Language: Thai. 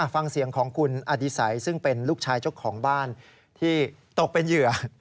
ฟังเสียงของคุณอดิสัยซึ่งเป็นลูกชายเจ้าของบ้านที่ตกเป็นเหยื่อ